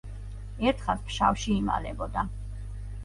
ერთხანს ფშავში იმალებოდა.